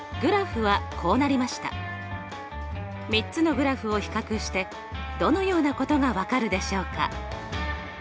３つのグラフを比較してどのようなことが分かるでしょうか？